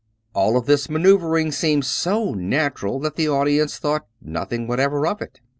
All of this maneuvering seemed so natural that the audience thought nothing what ever of it.